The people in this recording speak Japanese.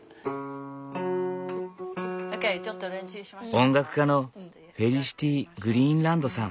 音楽家のフェリシティ・グリーンランドさん。